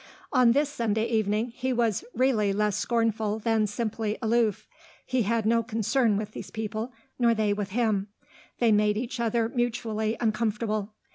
On this Sunday evening he was really less scornful than simply aloof; he had no concern with these people, nor they with him; they made each other mutually uncomfortable.